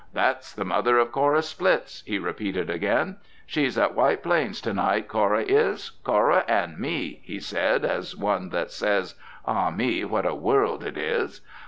"That's the mother of Cora Splitts," he repeated again. "She's at White Plains tonight, Cora is. Cora and me," he said, as one that says, "ah, me, what a world it is!"